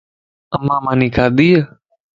اما ماني کادايَ؟